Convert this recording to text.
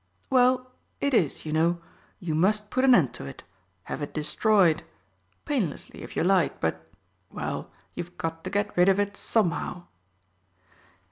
"Well, it is, you know. You must put an end to it have it destroyed. Painlessly, if you like, but well, you've got to get rid of it somehow."